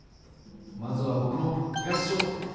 まずはぼくの東小！